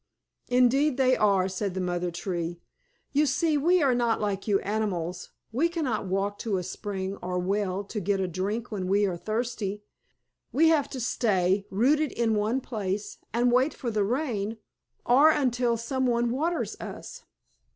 "Indeed they are," said the mother tree. "You see we are not like you animals. We cannot walk to a spring or well to get a drink when we are thirsty. We have to stay, rooted in one place, and wait for the rain, or until some one waters us."